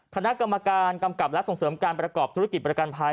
คณะกรรมการกำกับและส่งเสริมการประกอบธุรกิจประกันภัย